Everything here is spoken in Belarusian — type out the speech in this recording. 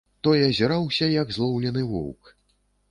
Той азіраўся, як злоўлены воўк.